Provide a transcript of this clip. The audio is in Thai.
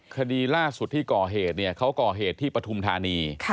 คดีล่าสุดที่ก่อเหตุเนี่ยเขาก่อเหตุที่ปฐุมธานี